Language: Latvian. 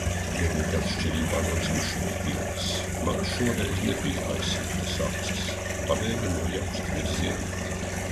Vienīgi atšķirībā no dzimšanas dienas, man šoreiz nebija aizsietas acis. Varēju nojaust virzienu.